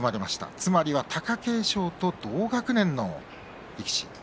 つまりは貴景勝と同学年の力士。